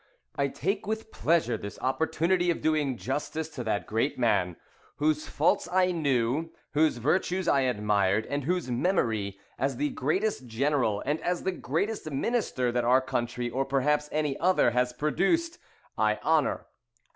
"I take with pleasure this opportunity of doing justice to that great man, whose faults I knew, whose virtues I admired; and whose memory, as the greatest general and as the greatest minister that our country, or perhaps any other, has produced, I honour."